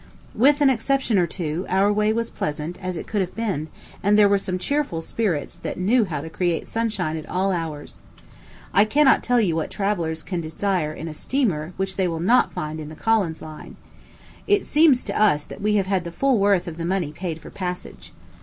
With an exception or two, our way was as pleasant as it could have been; and there were some cheerful spirits that knew how to create sunshine at all hours. I cannot tell what travellers can desire in a steamer which they will not find in the Collins line. It seems to us that we have had the full worth of the money paid for passage.